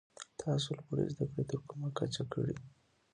تاسو لوړي زده کړي تر کومه کچه کړي ؟